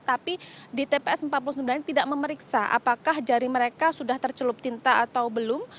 tapi di tps empat puluh sembilan ini tidak memeriksa apakah jari mereka sudah tercelup tinta atau belum